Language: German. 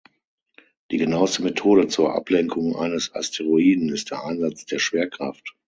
Die genaueste Methode zur Ablenkung eines Asteroiden ist der Einsatz der Schwerkraft.